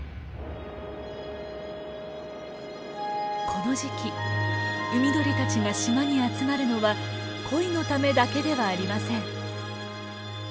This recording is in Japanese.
この時期海鳥たちが島に集まるのは恋のためだけではありません。